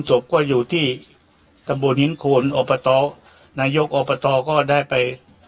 ทำไมไม่แจ้งรุตั้งแต่ที่ตรตั้งแต่ที่แรก